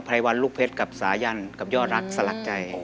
รายวันลูกเพชรกับสายันกับยอดรักสลักใจ